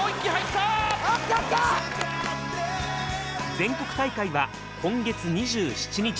全国大会は今月２７日。